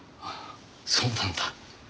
そうなんだ。